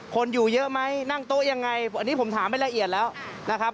คนอยู่เยอะไหมนั่งโต๊ะยังไงอันนี้ผมถามไปละเอียดแล้วนะครับ